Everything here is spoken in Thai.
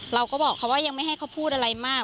เราก็บอกเขาว่ายังไม่ให้เขาพูดอะไรมาก